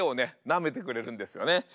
なめてくれるんですよね。